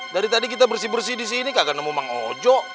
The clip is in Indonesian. dari tadi kita bersih bersih disini kagak nemu emang ojo